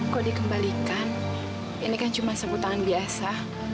kok dikembalikan ini kan cuma sebut tangan biasa